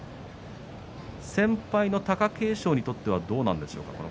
先輩の貴景勝にとってはどうなんでしょうか。